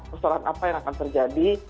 persoalan apa yang akan terjadi